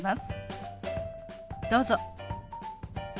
どうぞ。